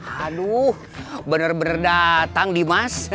aduh benar benar datang dimas